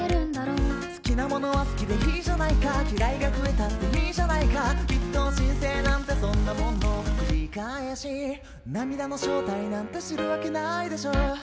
好きなものは好きでいいじゃないか嫌いが増えたっていいじゃないかきっと人生なんてそんなもんの繰り返し涙の正体なんて知るわけないでしょう